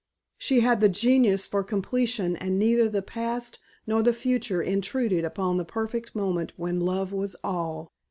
She had the genius for completion and neither the past nor the future intruded upon the perfect moment when love was all.